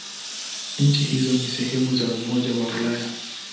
Nchi hizo si sehemu za Umoja wa Ulaya.